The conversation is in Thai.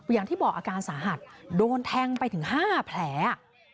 อย่างที่บอกอาการสาหัสโดนแทงไปถึง๕แผล